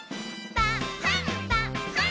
「パンパン」